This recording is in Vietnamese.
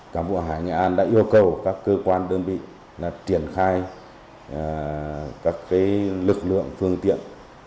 cảng vụ hàng hải nghệ an đã yêu cầu các cơ quan đơn vị triển khai các lực lượng phương tiện